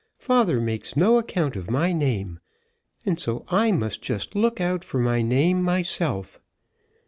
"Father makes no account of my name, and so I must just look out for myself."